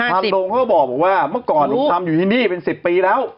ตรงเขาก็บอกว่าเมื่อก่อนผมทำอยู่ที่นี่เป็น๑๐ปีแล้ว